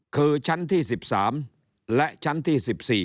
คือชั้นที่๑๓และชั้นที่๑๔